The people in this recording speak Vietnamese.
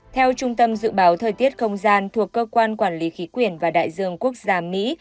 theo trung tâm dự báo thời tiết không gian thuộc cơ quan quản lý khí quyển và đại dương quốc gia mỹ